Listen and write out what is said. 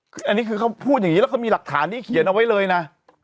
คืออันนี้คือเขาพูดอย่างนี้แล้วเขามีหลักฐานที่เขียนเอาไว้เลยนะ